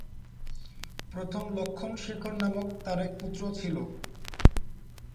প্রথম লক্ষ্মণ শেখর নামক তার এক পুত্র ছিল।